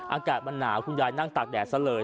อากาศมันหนาวคุณยายนั่งตากแดดซะเลย